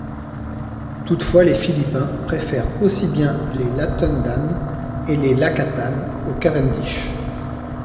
Toutefois, les Philippins préfèrent aussi bien les 'Latundan' et les 'Lakatan' aux 'Cavendish'.